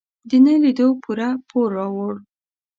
د نه لیدو پوره پور راوړ.